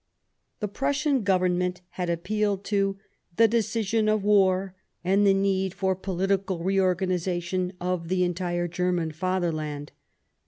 The Prussian Government had appealed to " the decision of war and the need for the political reor ganization of the entire German Fatherland."